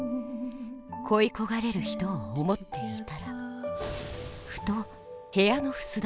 「恋焦がれる人を思っていたらふと部屋の簾が動く。